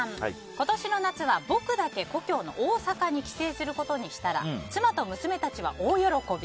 今年の夏は、僕だけ故郷の大阪に帰省することにしたら妻と娘たちは大喜び。